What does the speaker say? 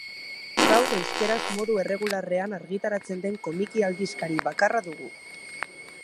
Gaur euskaraz modu erregularrean argitaratzen den komiki-aldizkari bakarra dugu.